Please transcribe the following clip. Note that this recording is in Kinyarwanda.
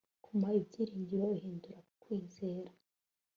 kuma ibyiringiro uhindura kwizera